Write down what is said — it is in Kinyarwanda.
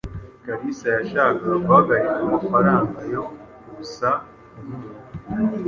Kalisa yashakaga guhagarika amafaranga yo gukusaa inkunga.